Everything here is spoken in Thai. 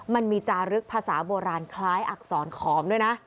มันมีจารึกภาษาโบราณคล้ายอักษรขอมด้วยนะ